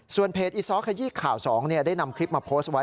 เพจอีซ้อขยี้ข่าว๒ได้นำคลิปมาโพสต์ไว้